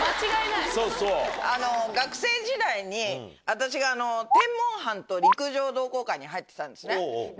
私が天文班と陸上同好会に入ってたんですね。